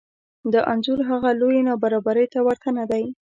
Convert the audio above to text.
دا انځور هغه لویې نابرابرۍ ته ورته نه دی